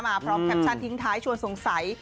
พร้อมแคปชั่นทิ้งท้ายชวนสงสัย